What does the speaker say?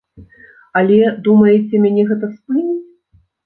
Але, думаеце, мяне гэта спыніць?